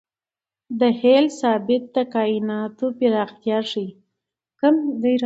د هبل ثابت د کائناتو پراختیا ښيي.